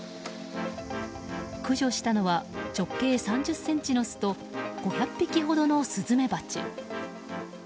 駆除したのは直径３０ｃｍの巣と５００匹ほどのスズメバチ。